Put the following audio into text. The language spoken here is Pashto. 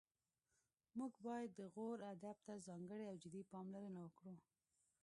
موږ باید د غور ادب ته ځانګړې او جدي پاملرنه وکړو